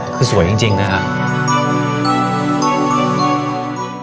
คือสวยจริงนะครับ